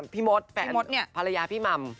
พี่มดแฝนภรรยาพี่หม่ำ